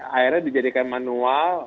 akhirnya dijadikan manual